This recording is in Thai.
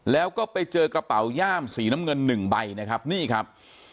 แล้วก็ไปเจอกระเป๋าย่ามสีน้ำเงินหนึ่งใบนะครับนี่ครับ